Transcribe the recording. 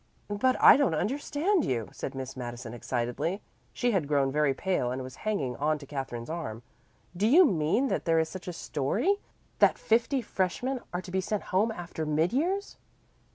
"But I don't understand you," said Miss Madison excitedly. She had grown very pale and was hanging on to Katherine's arm. "Do you mean that there is such a story that fifty freshmen are to be sent home after mid years?"